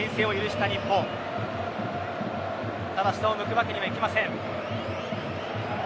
ただ下を向くわけにはいきません。